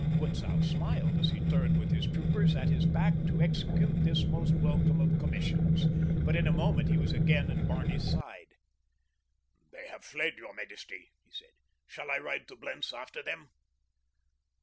Butzow smiled as he turned with his troopers at his back to execute this most welcome of commissions; but in a moment he was again at Barney's side. "They have fled, your majesty," he said. "Shall I ride to Blentz after them?"